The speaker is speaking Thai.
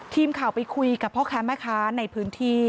ทีมข่าวไปคุยกับพ่อค้าแม่ค้าในพื้นที่